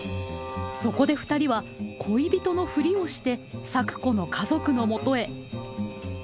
そこでふたりは恋人のフリをして咲子の家族のもとへ。